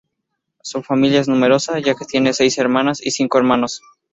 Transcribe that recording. Su familia es numerosa ya que tiene seis hermanas y cinco hermanos.